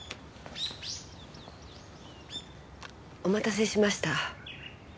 お待たせしました。